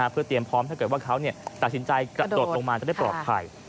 เพื่อเตรียมพร้อมถ้าเกิดว่าเขาตัดสินใจกระโดดลงมาจะได้ปลอดภัย